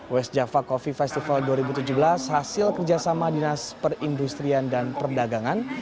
west java coffee festival dua ribu tujuh belas hasil kerjasama dinas perindustrian dan perdagangan